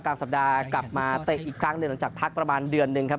กลางสัปดาห์กลับมาเตะอีกครั้งหนึ่งหลังจากพักประมาณเดือนหนึ่งครับ